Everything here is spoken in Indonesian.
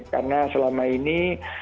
karena selama ini